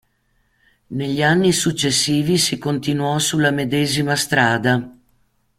Negli anni successivi si continuò sulla medesima strada.